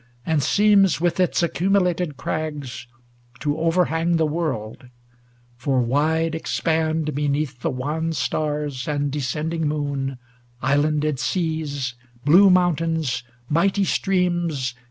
And seems with its accumulated crags To overhang the world ; for wide expand Beneath the wan stars and descending moon Islanded seas, blue mountains, mighty streams.